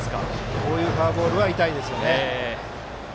こういうフォアボールは痛いですよね。